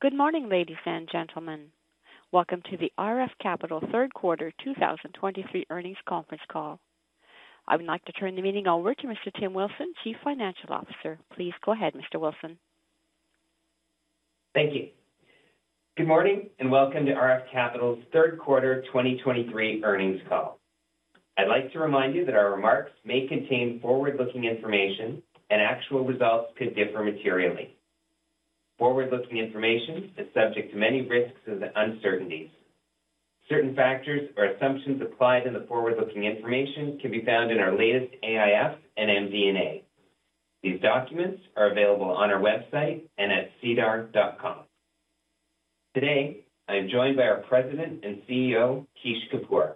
Good morning, ladies and gentlemen. Welcome to the RF Capital Third Quarter 2023 Earnings Conference Call. I would like to turn the meeting over to Mr. Tim Wilson, Chief Financial Officer. Please go ahead, Mr. Wilson. Thank you. Good morning, and welcome to RF Capital's Third Quarter 2023 Earnings Call. I'd like to remind you that our remarks may contain forward-looking information and actual results could differ materially. Forward-looking information is subject to many risks and uncertainties. Certain factors or assumptions applied in the forward-looking information can be found in our latest AIF and MD&A. These documents are available on our website and at sedar.com. Today, I am joined by our President and CEO, Kish Kapoor.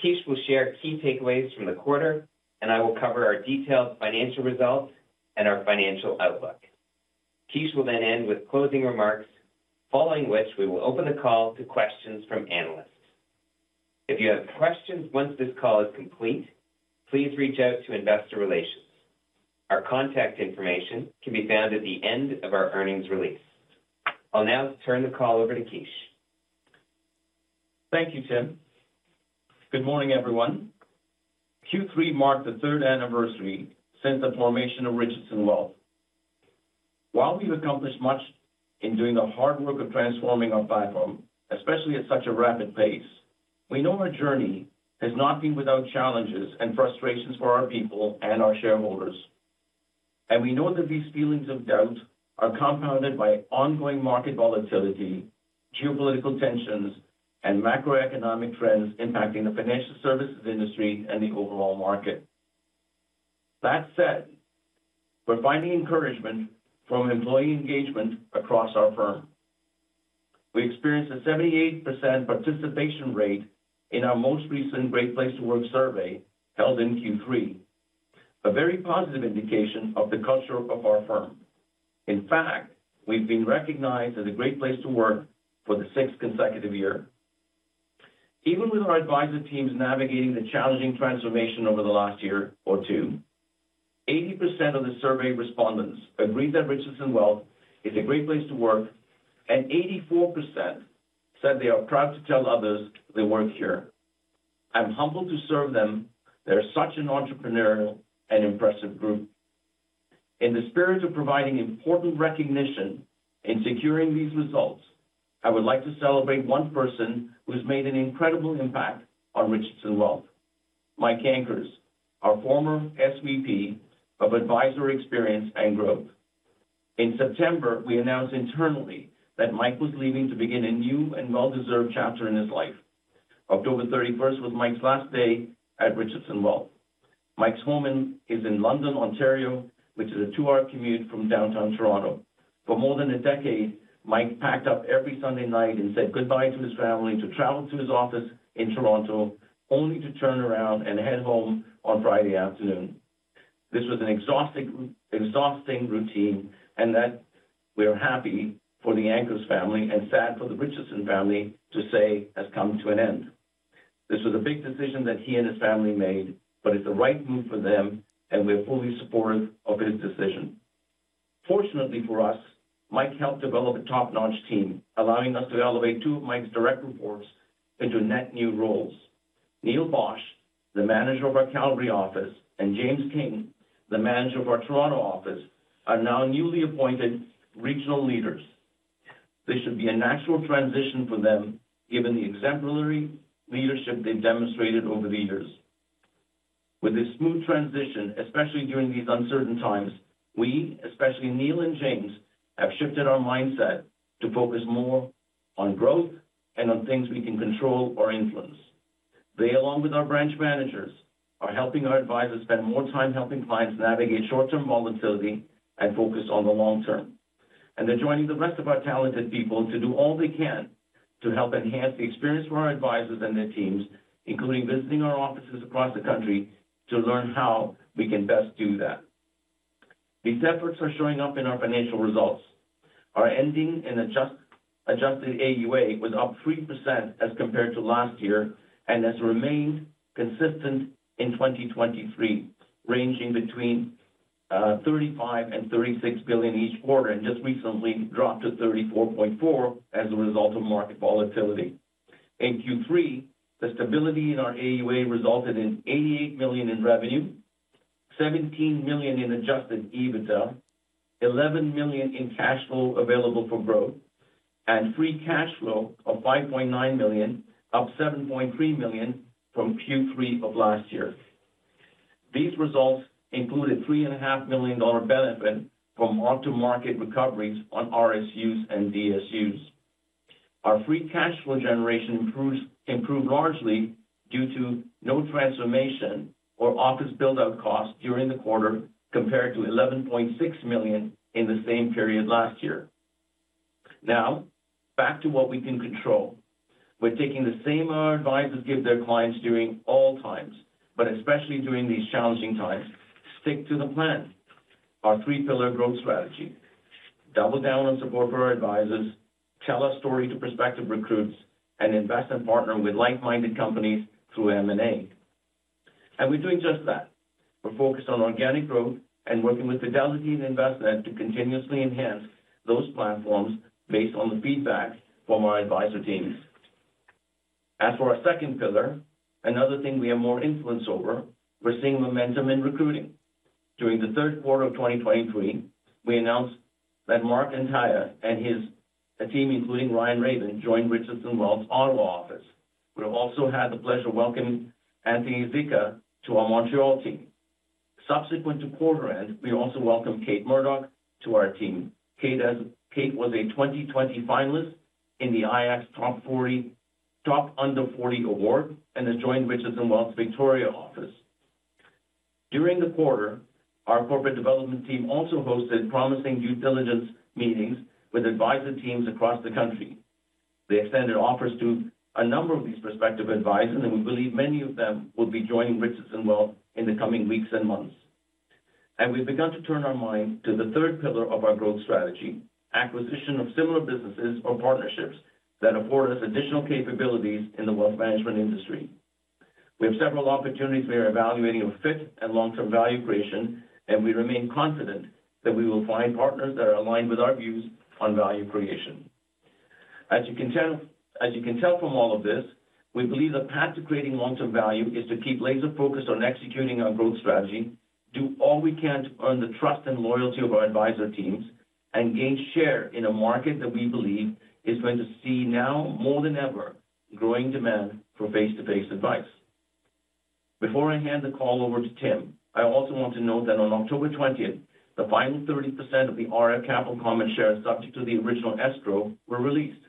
Kish will share key takeaways from the quarter, and I will cover our detailed financial results and our financial outlook. Kish will then end with closing remarks, following which we will open the call to questions from analysts. If you have questions once this call is complete, please reach out to Investor Relations. Our contact information can be found at the end of our earnings release. I'll now turn the call over to Kish. Thank you, Tim. Good morning, everyone. Q3 marked the third anniversary since the formation of Richardson Wealth. While we've accomplished much in doing the hard work of transforming our platform, especially at such a rapid pace, we know our journey has not been without challenges and frustrations for our people and our shareholders. We know that these feelings of doubt are compounded by ongoing market volatility, geopolitical tensions, and macroeconomic trends impacting the financial services industry and the overall market. That said, we're finding encouragement from employee engagement across our firm. We experienced a 78% participation rate in our most recent Great Place to Work survey held in Q3, a very positive indication of the culture of our firm. In fact, we've been recognized as a Great Place to Work for the sixth consecutive year. Even with our advisor teams navigating the challenging transformation over the last year or two, 80% of the survey respondents agreed that Richardson Wealth is a great place to work, and 84% said they are proud to tell others they work here. I'm humbled to serve them. They're such an entrepreneurial and impressive group. In the spirit of providing important recognition in securing these results, I would like to celebrate one person who's made an incredible impact on Richardson Wealth, Mike Ankers, our former SVP of Advisor Experience and Growth. In September, we announced internally that Mike was leaving to begin a new and well-deserved chapter in his life. October thirty-first was Mike's last day at Richardson Wealth. Mike's home is in London, Ontario, which is a 2-hour commute from downtown Toronto. For more than a decade, Mike packed up every Sunday night and said goodbye to his family to travel to his office in Toronto, only to turn around and head home on Friday afternoon. This was an exhausting, exhausting routine, and that we are happy for the Ankers family and sad for the Richardson family to say, has come to an end. This was a big decision that he and his family made, but it's the right move for them, and we're fully supportive of his decision. Fortunately for us, Mike helped develop a top-notch team, allowing us to elevate two of Mike's direct reports into net new roles. Neil Chicken, the manager of our Calgary office, and James King, the manager of our Toronto office, are now newly appointed regional leaders. This should be a natural transition for them, given the exemplary leadership they've demonstrated over the years. With this smooth transition, especially during these uncertain times, we, especially Neil and James, have shifted our mindset to focus more on growth and on things we can control or influence. They, along with our branch managers, are helping our advisors spend more time helping clients navigate short-term volatility and focus on the long term. They're joining the rest of our talented people to do all they can to help enhance the experience for our advisors and their teams, including visiting our offices across the country, to learn how we can best do that. These efforts are showing up in our financial results. Our ending adjusted AUA was up 3% as compared to last year and has remained consistent in 2023, ranging between 35 billion and 36 billion each quarter, and just recently dropped to 34.4 billion as a result of market volatility. In Q3, the stability in our AUA resulted in 88 million in revenue, 17 million in Adjusted EBITDA, cad 11 million in cash flow available for growth, and free cash flow of 5.9 million, up 7.3 million from Q3 of last year. These results included a 3.5 million dollar benefit from mark-to-market recoveries on RSUs and DSUs. Our free cash flow generation improved largely due to no transformation or office build-out costs during the quarter, compared to 11.6 million in the same period last year. Now, back to what we can control. We're taking the same our advisors give their clients during all times, but especially during these challenging times, stick to the plan. Our three-pillar growth strategy: double down on support for our advisors, tell a story to prospective recruits, and invest and partner with like-minded companies through M&A.... We're doing just that. We're focused on organic growth and working with Fidelity and Envestnet to continuously enhance those platforms based on the feedback from our advisor teams. As for our second pillar, another thing we have more influence over, we're seeing momentum in recruiting. During the third quarter of 2023, we announced that Mark Antaya and his team, including Ryan Chicken, joined Richardson Wealth's Ottawa office. We have also had the pleasure of welcoming Anthony Zicha to our Montreal team. Subsequent to quarter end, we also welcomed Kate Murdoch to our team. Kate was a 2020 finalist in the IIAC Top 40 Under 40 Award and has joined Richardson Wealth's Victoria office. During the quarter, our corporate development team also hosted promising due diligence meetings with advisor teams across the country. They extended offers to a number of these prospective advisors, and we believe many of them will be joining Richardson Wealth in the coming weeks and months. We've begun to turn our mind to the third pillar of our growth strategy, acquisition of similar businesses or partnerships that afford us additional capabilities in the wealth management industry. We have several opportunities we are evaluating a fit and long-term value creation, and we remain confident that we will find partners that are aligned with our views on value creation. As you can tell from all of this, we believe the path to creating long-term value is to keep laser focused on executing our growth strategy, do all we can to earn the trust and loyalty of our advisor teams, and gain share in a market that we believe is going to see now, more than ever, growing demand for face-to-face advice. Before I hand the call over to Tim, I also want to note that on October twentieth, the final 30% of the RF Capital common shares subject to the original escrow were released.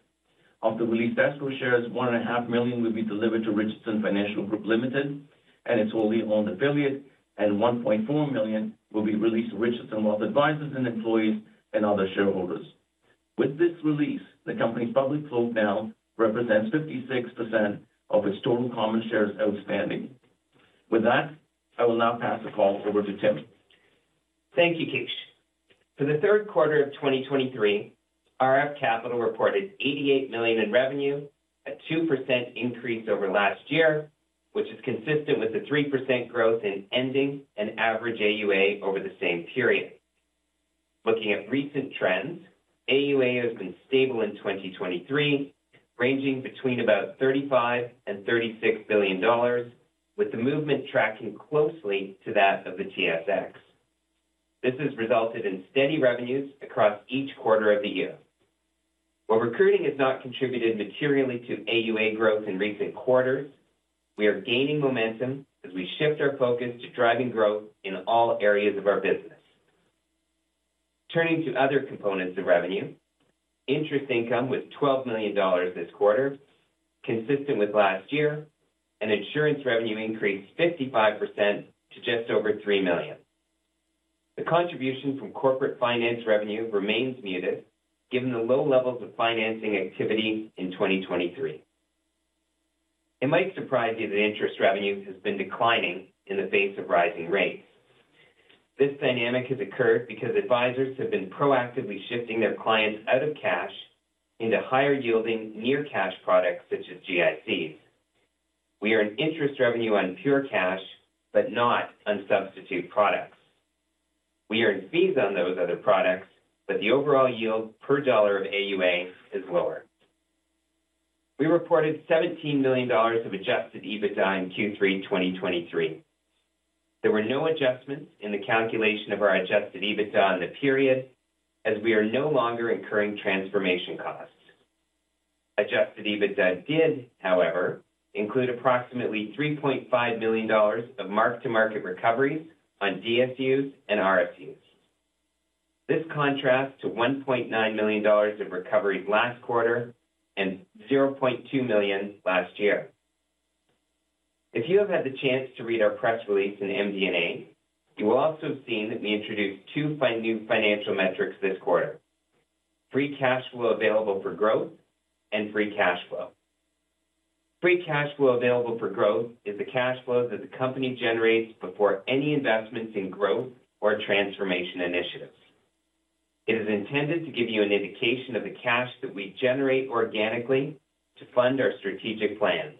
Of the released escrow shares, 1.5 million will be delivered to Richardson Financial Group Limited and its wholly owned affiliate, and 1.4 million will be released to Richardson Wealth advisors and employees, and other shareholders. With this release, the company's public float now represents 56% of its total common shares outstanding. With that, I will now pass the call over to Tim. Thank you, Kish. For the third quarter of 2023, RF Capital reported 88 million in revenue, a 2% increase over last year, which is consistent with the 3% growth in ending and average AUA over the same period. Looking at recent trends, AUA has been stable in 2023, ranging between about 35 billion and 36 billion dollars, with the movement tracking closely to that of the TSX. This has resulted in steady revenues across each quarter of the year. While recruiting has not contributed materially to AUA growth in recent quarters, we are gaining momentum as we shift our focus to driving growth in all areas of our business. Turning to other components of revenue, interest income was 12 million dollars this quarter, consistent with last year, and insurance revenue increased 55% to just over 3 million. The contribution from corporate finance revenue remains muted, given the low levels of financing activity in 2023. It might surprise you that interest revenue has been declining in the face of rising rates. This dynamic has occurred because advisors have been proactively shifting their clients out of cash into higher-yielding, near cash products such as GICs. We earn interest revenue on pure cash, but not on substitute products. We earn fees on those other products, but the overall yield per dollar of AUA is lower. We reported 17 million dollars of Adjusted EBITDA in Q3 2023. There were no adjustments in the calculation of our Adjusted EBITDA in the period, as we are no longer incurring transformation costs. Adjusted EBITDA did, however, include approximately 3.5 million dollars of mark-to-market recoveries on DSUs and RSUs. This contrasts to 1.9 million dollars of recoveries last quarter and 0.2 million last year. If you have had the chance to read our press release in MD&A, you will also have seen that we introduced two new financial metrics this quarter: free cash flow available for growth and free cash flow. Free cash flow available for growth is the cash flow that the company generates before any investments in growth or transformation initiatives. It is intended to give you an indication of the cash that we generate organically to fund our strategic plans.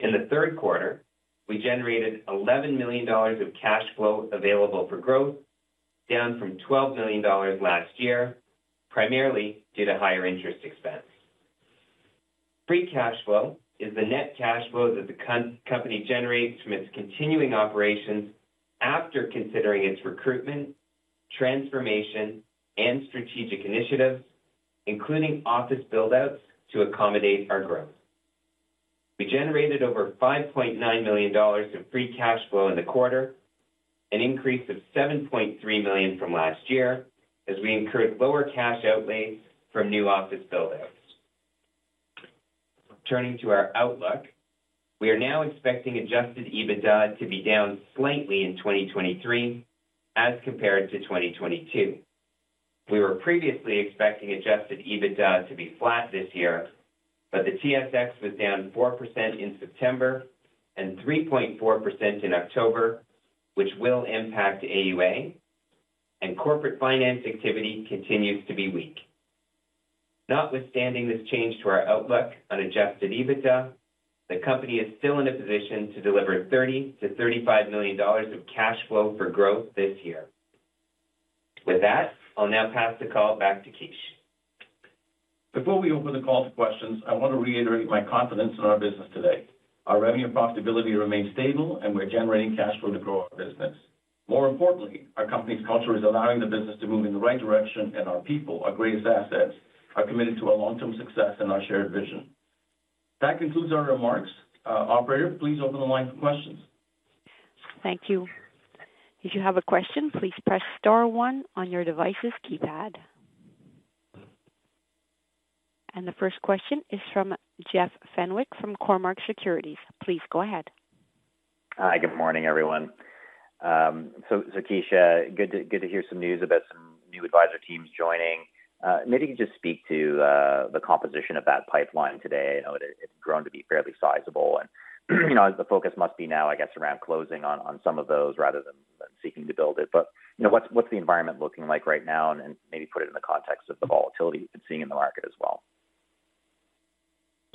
In the third quarter, we generated 11 million dollars of cash flow available for growth, down from 12 million dollars last year, primarily due to higher interest expense. Free cash flow is the net cash flow that the company generates from its continuing operations after considering its recruitment, transformation, and strategic initiatives, including office build-outs to accommodate our growth. We generated over 5.9 million dollars of free cash flow in the quarter, an increase of 7.3 million from last year, as we incurred lower cash outlays from new office build-outs. Turning to our outlook, we are now expecting Adjusted EBITDA to be down slightly in 2023 as compared to 2022. We were previously expecting Adjusted EBITDA to be flat this year, but the TSX was down 4% in September and 3.4% in October, which will impact AUA, and corporate finance activity continues to be weak. Notwithstanding this change to our outlook on Adjusted EBITDA, the company is still in a position to deliver 30 million-35 million dollars of cash flow for growth this year. With that, I'll now pass the call back to Kish. Before we open the call to questions, I want to reiterate my confidence in our business today. Our revenue profitability remains stable, and we're generating cash flow to grow our business. More importantly, our company's culture is allowing the business to move in the right direction, and our people, our greatest assets, are committed to our long-term success and our shared vision. That concludes our remarks. Operator, please open the line for questions. Thank you. If you have a question, please press star one on your device's keypad. The first question is from Jeff Fenwick, from Cormark Securities. Please go ahead. Hi, good morning, everyone. So, Kish, uh good to, good to hear some news about some new advisor teams joining. Maybe you could just speak to the composition of that pipeline today. I know it, it's grown to be fairly sizable, and, you know, the focus must be now, I guess, around closing on, on some of those rather than, than seeking to build it. But, you know, what's, what's the environment looking like right now? And then maybe put it in the context of the volatility you've been seeing in the market as well.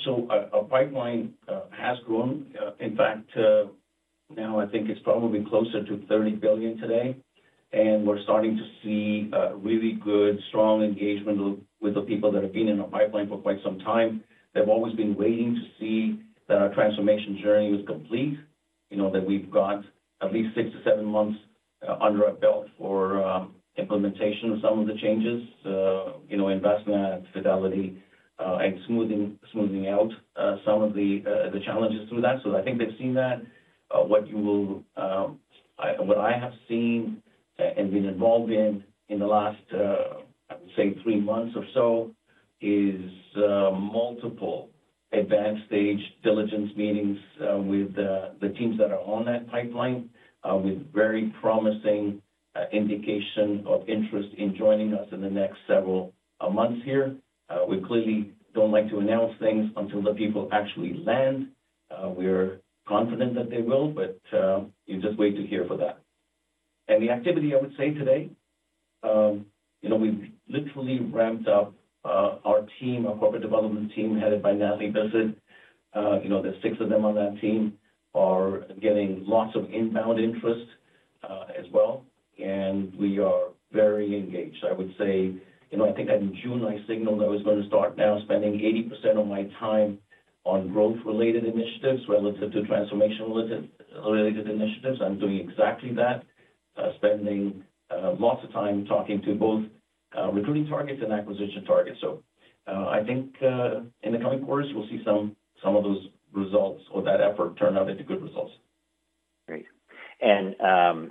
So our pipeline has grown. In fact, now I think it's probably closer to 30 billion today, and we're starting to see really good, strong engagement with the people that have been in our pipeline for quite some time. They've always been waiting to see that our transformation journey was complete. You know, that we've got at least six to seven months under our belt for implementation of some of the changes, you know, Envestnet, Fidelity, and smoothing out some of the challenges through that. So I think they've seen that. What you will... What I have seen and been involved in, in the last, I would say three months or so, is, multiple advanced stage diligence meetings, with, the teams that are on that pipeline, with very promising, indication of interest in joining us in the next several, months here. We clearly don't like to announce things until the people actually land. We're confident that they will, but, you just wait to hear for that. And the activity, I would say, today, you know, we've literally ramped up, our team, our corporate development team, headed by Natalie Bisset. You know, there's six of them on that team, are getting lots of inbound interest, as well, and we are very engaged. I would say, you know, I think in June, I signaled I was going to start now spending 80% of my time on growth-related initiatives relative to transformation-related initiatives. I'm doing exactly that, spending lots of time talking to both recruiting targets and acquisition targets. So, I think in the coming quarters, we'll see some of those results or that effort turn out into good results. Great. And,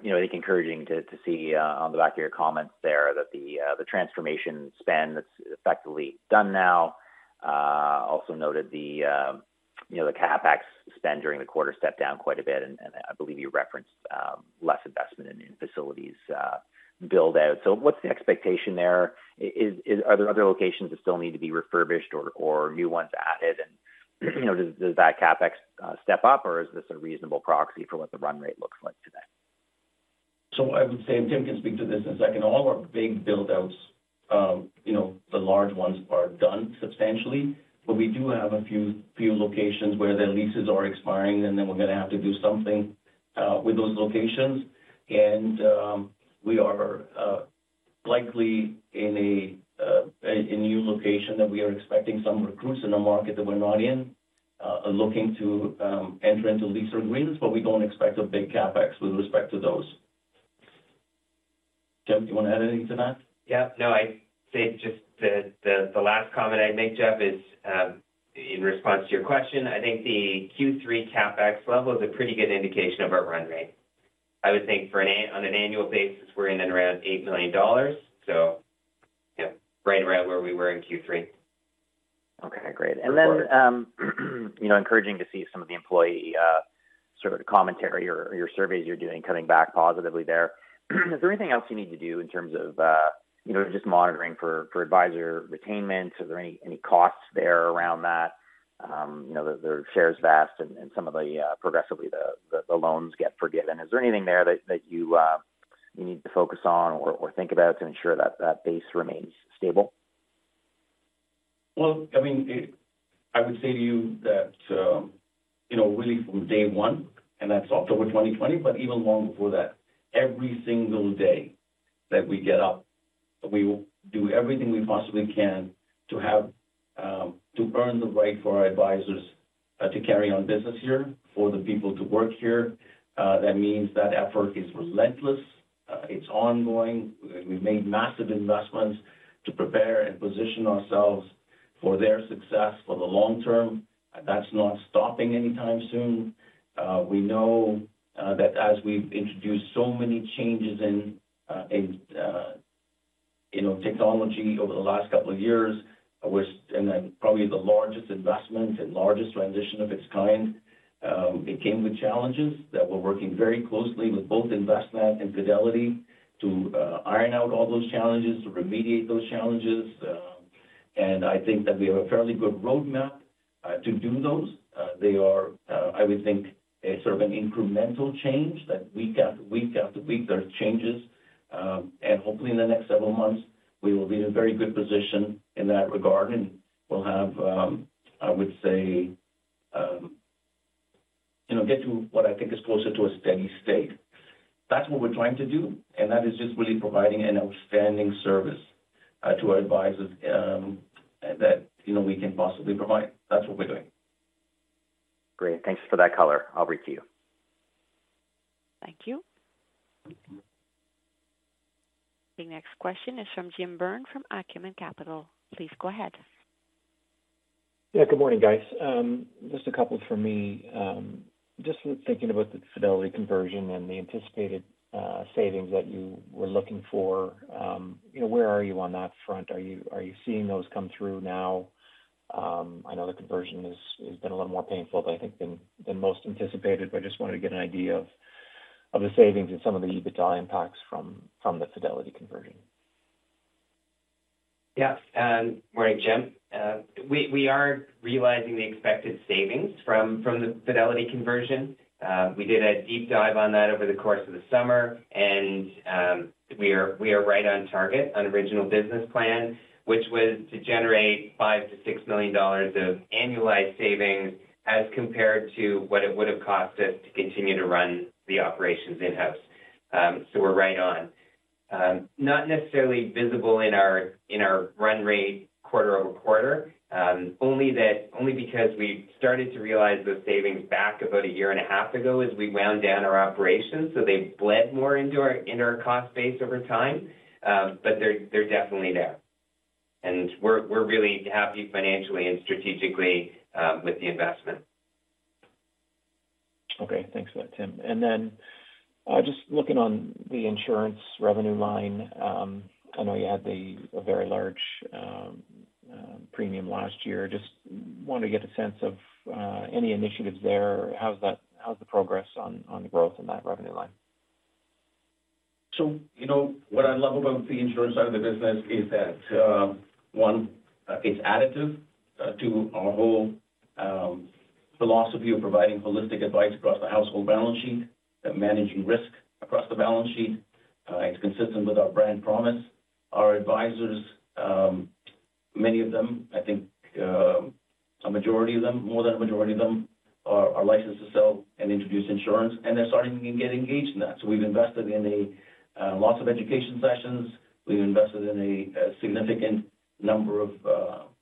you know, I think encouraging to see, on the back of your comments there, that the transformation spend that's effectively done now, also noted the, you know, the CapEx spend during the quarter stepped down quite a bit, and, I believe you referenced, less investment in new facilities, build-out. So what's the expectation there? Is, Are there other locations that still need to be refurbished or, new ones added? And, you know, does that CapEx, step up, or is this a reasonable proxy for what the run rate looks like today? So I would say, and Tim can speak to this in a second, all of our big build-outs, you know, the large ones are done substantially, but we do have a few locations where the leases are expiring, and then we're gonna have to do something with those locations. And we are likely in a new location that we are expecting some recruits in a market that we're not in, are looking to enter into lease agreements, but we don't expect a big CapEx with respect to those. Tim, do you want to add anything to that? Yeah. No, I'd say just the last comment I'd make, Jeff, is in response to your question, I think the Q3 CapEx level is a pretty good indication of our run rate. I would think on an annual basis, we're in and around 8 million dollars, so yeah, right around where we were in Q3. Okay, great. Right. And then, you know, encouraging to see some of the employee sort of commentary or your surveys you're doing coming back positively there. Is there anything else you need to do in terms of, you know, just monitoring for advisor retention? Is there any costs there around that? You know, the shares vest and some of the progressively the loans get forgiven. Is there anything there that you need to focus on or think about to ensure that that base remains stable? Well, I mean, I would say to you that, you know, really from day one, and that's October 2020, but even long before that, every single day that we get up, we will do everything we possibly can to have, to earn the right for our advisors, to carry on business here, for the people to work here. That means that effort is relentless, it's ongoing. We've made massive investments to prepare and position ourselves for their success for the long term. That's not stopping anytime soon. We know that as we've introduced so many changes in, you know, technology over the last couple of years, which... And then probably the largest investment and largest transition of its kind, it came with challenges that we're working very closely with both Envestnet and Fidelity to iron out all those challenges, to remediate those challenges. And I think that we have a fairly good roadmap to do those. They are, I would think, a sort of an incremental change, that week after week after week, there's changes. And hopefully in the next several months, we will be in a very good position in that regard, and we'll have, I would say, you know, get to what I think is closer to a steady state. That's what we're trying to do, and that is just really providing an outstanding service to our advisors, that, you know, we can possibly provide. That's what we're doing. Great, thanks for that color. I'll reach to you. Thank you. The next question is from Jim Byrne from Acumen Capital. Please go ahead. Yeah, good morning, guys. Just a couple from me. Just thinking about the Fidelity conversion and the anticipated savings that you were looking for, you know, where are you on that front? Are you seeing those come through now? I know the conversion has been a little more painful, but I think than most anticipated. But I just wanted to get an idea of the savings and some of the EBITDA impacts from the Fidelity conversion. Yeah. Morning, Jim. We are realizing the expected savings from the Fidelity conversion. We did a deep dive on that over the course of the summer, and we are right on target on original business plan, which was to generate 5 million-6 million dollars of annualized savings as compared to what it would've cost us to continue to run the operations in-house. So we're right on. Not necessarily visible in our run rate quarter-over-quarter, only because we started to realize those savings back about a year and a half ago as we wound down our operations, so they've bled more into our in our cost base over time. But they're definitely there. And we're really happy financially and strategically with the investment. Okay. Thanks for that, Tim. And then, just looking on the insurance revenue line, I know you had a very large premium last year. Just want to get a sense of any initiatives there or how's that-how's the progress on the growth in that revenue line? So, you know, what I love about the insurance side of the business is that, one, it's additive to our whole philosophy of providing holistic advice across the household balance sheet, that managing risk across the balance sheet, it's consistent with our brand promise. Our advisors, many of them, I think, a majority of them, more than a majority of them, are licensed to sell and introduce insurance, and they're starting to get engaged in that. So we've invested in lots of education sessions. We've invested in a significant number of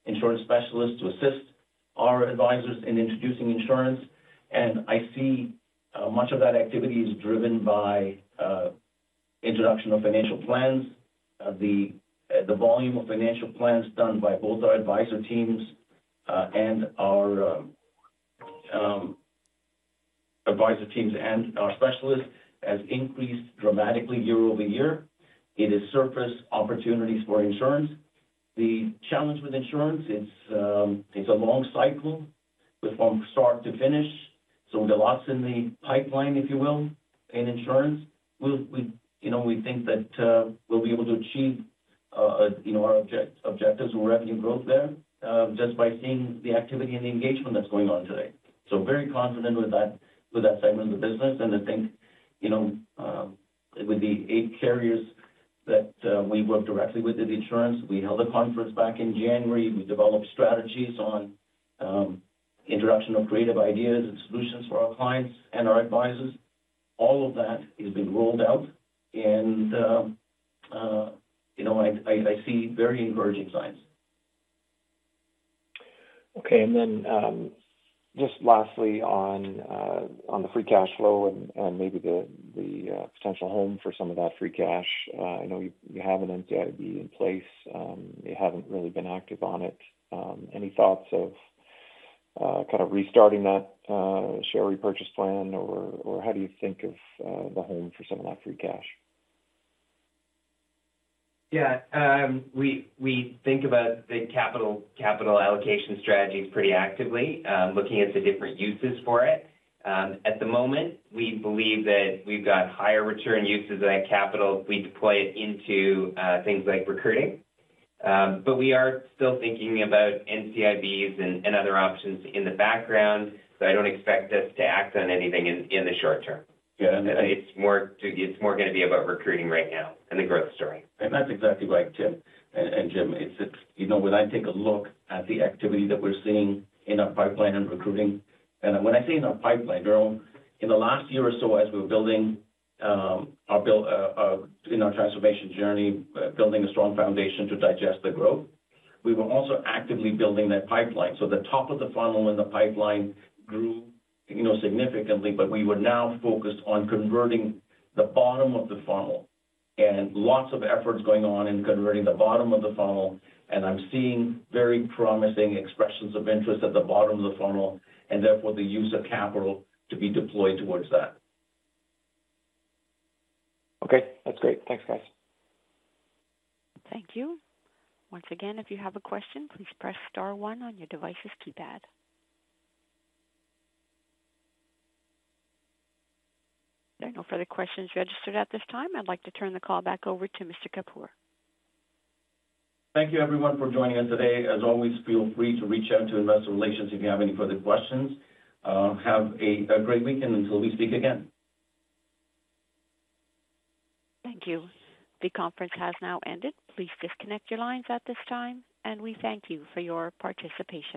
insurance specialists to assist our advisors in introducing insurance, and I see much of that activity is driven by introduction of financial plans. The volume of financial plans done by both our advisor teams and our advisor teams and our specialists has increased dramatically year-over-year. It has surfaced opportunities for insurance. The challenge with insurance, it's a long cycle from start to finish, so there's lots in the pipeline, if you will, in insurance. We'll, you know, we think that, you know, we'll be able to achieve, you know, our objectives on revenue growth there, just by seeing the activity and the engagement that's going on today. So very confident with that, with that segment of the business. And I think, you know, with the eight carriers that we work directly with in insurance, we held a conference back in January. We developed strategies on introduction of creative ideas and solutions for our clients and our advisors. All of that is being rolled out, and, you know, I see very encouraging signs. Okay. And then, just lastly, on the free cash flow and maybe the potential home for some of that free cash. I know you have an NCIB in place. You haven't really been active on it. Any thoughts of kind of restarting that share repurchase plan, or how do you think of the home for some of that free cash? Yeah. We think about the capital allocation strategies pretty actively, looking at the different uses for it. At the moment, we believe that we've got higher return uses of that capital if we deploy it into things like recruiting. But we are still thinking about NCIBs and other options in the background, so I don't expect us to act on anything in the short term. Yeah, and- It's more gonna be about recruiting right now and the growth story. And that's exactly right, Tim and, and Jim. It's, it's, you know, when I take a look at the activity that we're seeing in our pipeline and recruiting, and when I say in our pipeline, early in the last year or so, as we're building, our build, in our transformation journey, building a strong foundation to digest the growth, we were also actively building that pipeline. So the top of the funnel and the pipeline grew, you know, significantly, but we were now focused on converting the bottom of the funnel. And lots of efforts going on in converting the bottom of the funnel, and I'm seeing very promising expressions of interest at the bottom of the funnel, and therefore, the use of capital to be deployed towards that. Okay, that's great. Thanks, guys. Thank you. Once again, if you have a question, please press star one on your device's keypad. There are no further questions registered at this time. I'd like to turn the call back over to Mr. Kapoor. Thank you, everyone, for joining us today. As always, feel free to reach out to Investor Relations if you have any further questions. Have a great weekend until we speak again. Thank you. The conference has now ended. Please disconnect your lines at this time, and we thank you for your participation.